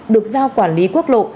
được giao quản lý quốc lộ